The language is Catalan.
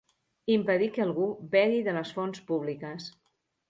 Impedir que algú begui de les fonts públiques.